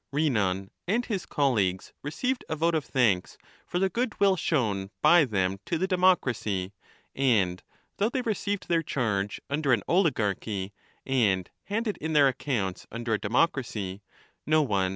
Rhinon and his colleagues received a vote of thanks for the goodwill shown by them to the people, and though they received their charge under an oligarchy and handed in their accounts under a democracy, no one.